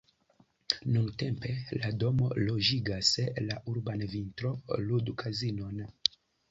Nuntempe la domo loĝigas la urban vintro-ludkazinon.